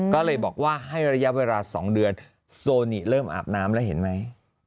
ก็เลยบอกว่าให้ระยะเวลา๒เดือนโซนิเริ่มอาบน้ำแล้วเห็นไหม